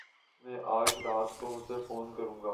میں اج رات کو اسے فون کروں گا۔